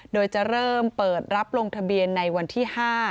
โดยจะเริ่มเปิดรับลงทะเบียนในวันที่๕